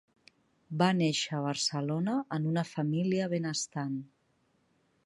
Va néixer a Barcelona en una família benestant.